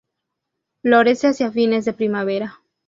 Florece hacia fines de primavera.